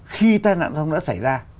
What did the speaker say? khi tai nạn giao thông đã xảy ra